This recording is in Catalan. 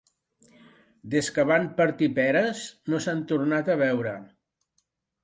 Des que van partir peres, no s'han tornat a veure.